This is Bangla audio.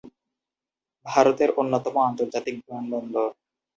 ভারতের অন্যতম আন্তর্জাতিক বিমানবন্দর।